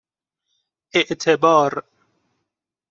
اِعتبار